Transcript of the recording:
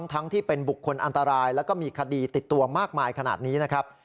ที่เป็นบุคคลอันตรายแล้วก็มีคดีติดตัวมากมายขนาดนี้นะครับ